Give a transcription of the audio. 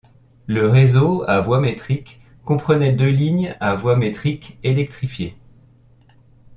Le réseau, à voie métrique, comprenait deux lignes à voie métrique, électrifiées.